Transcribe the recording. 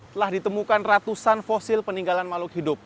telah ditemukan ratusan fosil peninggalan makhluk hidup